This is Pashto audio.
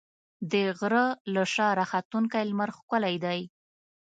د غره له شا راختونکی لمر ښکلی دی.